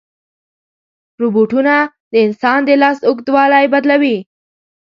روبوټونه د انسان د لاس اوږدوالی بدلوي.